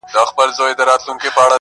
چي تلو تلو کي معنا ستا د کتو اوړي,